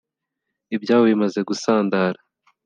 Ibyabo bimaze gusandara